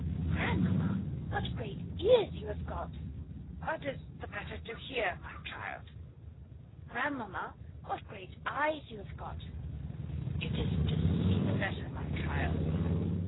"Grandmamma, what great ears you have got!" "That is to hear the better, my child." "Grandmamma, what great eyes you have got!" "It is to see the better, my child."